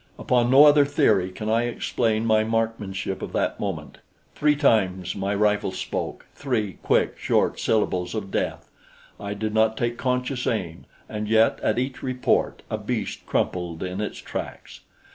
Upon no other theory can I explain my marksmanship of that moment. Three times my rifle spoke three quick, short syllables of death. I did not take conscious aim; and yet at each report a beast crumpled in its tracks!